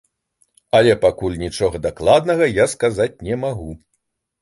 Але пакуль нічога дакладнага я сказаць не магу.